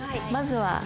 まずは。